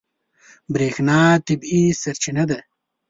برېښنا طبیعي سرچینه ده.